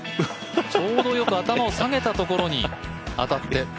ちょうど良く頭を下げたところに当たって。